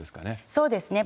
そうですね。